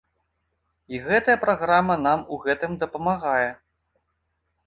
І гэтая праграма нам у гэтым дапамагае.